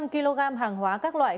năm trăm linh kg hàng hóa các loại